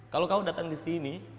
kalau kamu datang ke sini